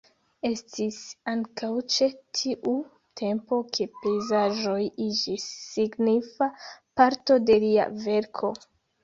Estis ankaŭ ĉe tiu tempo ke pejzaĝoj iĝis signifa parto de lia verko.